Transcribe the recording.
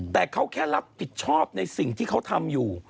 แต่เขาแค่รับผิดชอบในสิ่งที่เขาทำอยู่